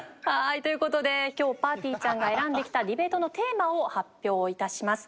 という事で今日ぱーてぃーちゃんが選んできたディベートのテーマを発表致します。